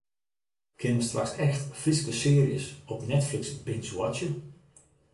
Kinne we straks ek echt Fryske searjes op Netflix bingewatche?